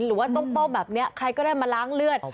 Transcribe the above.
หรือว่าต้มแบบนี้ใครก็ได้มาล้างเลือด